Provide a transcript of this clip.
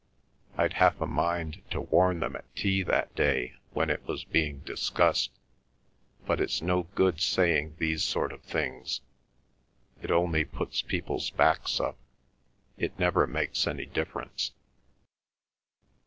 I'd half a mind to warn them at tea that day when it was being discussed. But it's no good saying these sort of things—it only puts people's backs up—it never makes any difference."